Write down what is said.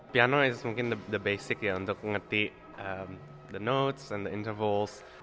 piano mungkin adalah dasarnya untuk mengerti notenya dan intervalnya